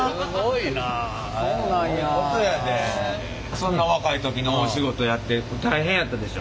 そんな若い時に大仕事やって大変やったでしょ？